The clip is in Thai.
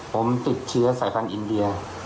ผมติดเชื้อสายพันธุ์อินเดีย